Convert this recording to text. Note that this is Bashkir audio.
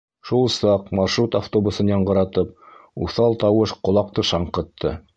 Шул саҡ маршрут автобусын яңғыратып, уҫал тауыш ҡолаҡты шаңҡытты: